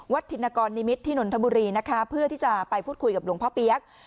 ธินกรนิมิตรที่นนทบุรีนะคะเพื่อที่จะไปพูดคุยกับหลวงพ่อเปี๊ยก